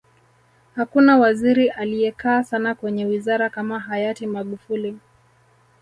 hakuna waziri aliyekaa sana kwenye wizara kama hayati magufuli